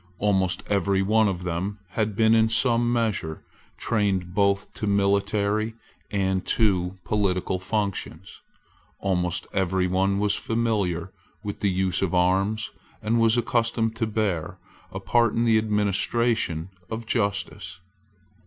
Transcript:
Almost every one of them had been in some measure trained both to military and to political functions. Almost every one was familiar with the use of arms, and was accustomed to bear a part in the administration of justice.